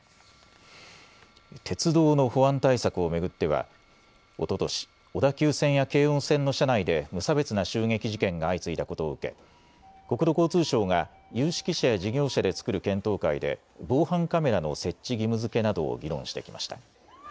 鉄道の保安対策を巡ってはおととし、小田急線や京王線の車内で無差別な襲撃事件が相次いだことを受け、国土交通省が有識者や事業者で作る検討会で防犯カメラの設置義務づけなどを議論してきました。